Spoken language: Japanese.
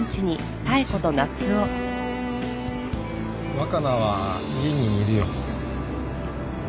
若菜は家にいるよ。